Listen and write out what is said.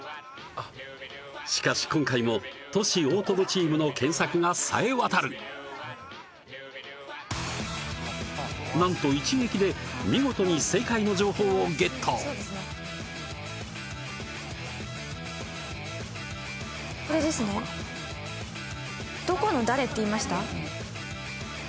しかし今回もトシ大友チームの検索がさえわたるなんと一撃で見事に正解の情報をゲットこれですねどこの誰って言いました？